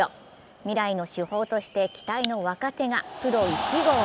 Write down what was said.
未来の主砲として期待の若手がプロ１号。